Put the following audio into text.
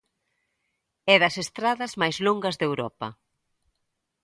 É das estradas máis longas de Europa.